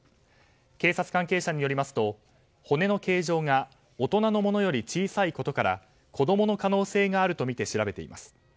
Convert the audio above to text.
警察関係者によりますと骨の形状が大人のものより小さいことから子供の可能性があるとみて調べています。